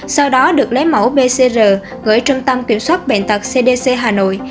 sau đó được lấy mẫu bcr gửi trung tâm kiểm soát bệnh tật cdc hà nội